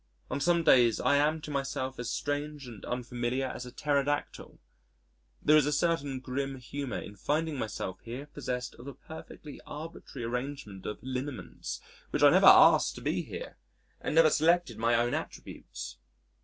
On some days I am to myself as strange and unfamiliar as a Pterodactyl. There is a certain grim humour in finding myself here possessed of a perfectly arbitrary arrangement of lineaments when I never asked to be here and never selected my own attributes.